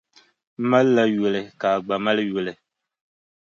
M malila yuli ka a gba mali yuli.